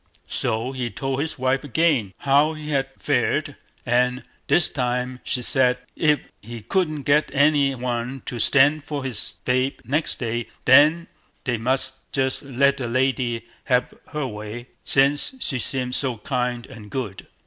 So he told his wife again how he had fared, and this time she said, if he couldn't get any one to stand for his babe next day, they must just let the lady have her way, since she seemed so kind and good.